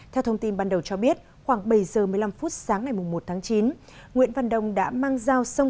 theo thông tin ban đầu cho biết khoảng bảy giờ một mươi năm phút sáng ngày một tháng chín nguyễn văn đông đã mang dao sông